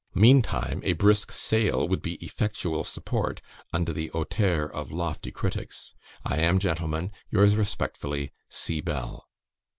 "Meantime a brisk sale would be effectual support under the hauteur of lofty critics. I am, Gentlemen, yours respectfully, "C. BELL."